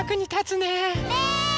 ねえ。